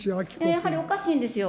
やはりおかしいんですよ。